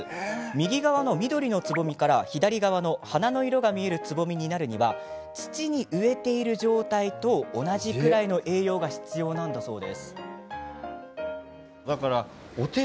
右側の青いつぼみから、左側の花の色が見えるつぼみになるには土に植えている状態と同じくらいの栄養が必要なんだそう。